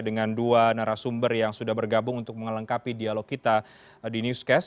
dengan dua narasumber yang sudah bergabung untuk mengelengkapi dialog kita di newscast